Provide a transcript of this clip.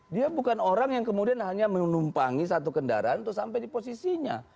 dia bukan orang yang kemudian hanya menumpangi satu kendaraan untuk sampai di posisinya